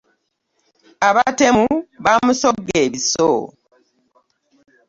Abatemu bamusogga ebiso.